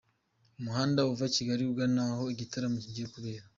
Umuhanda uva Kigali ugana aho igitaramo kigiye kubera.